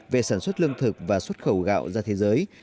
về sản xuất lương thực và xuất khẩu gạo ra thế giới